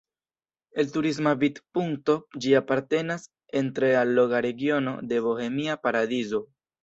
El turisma vidpunkto ĝi apartenas en tre alloga regiono de Bohemia paradizo.